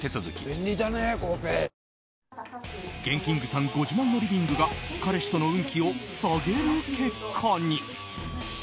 さんご自慢のリビングが彼氏との運気を下げる結果に。